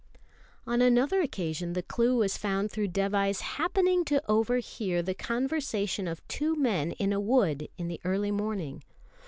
On another occasion the clue was found through Dévai's happening to overhear the conversation of two men in a wood in the early morning.